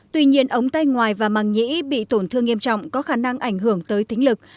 tuy nhiên ống tay ngoài và màng nhĩ bị tổn thương nghiêm trọng có khả năng ảnh hưởng tới tính lực